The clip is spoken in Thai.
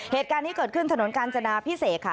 เหตุการณ์ที่เกิดขึ้นถนนกาญจนาพิเศษค่ะ